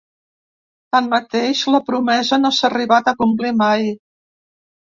Tanmateix, la promesa no s’ha arribat a complir mai.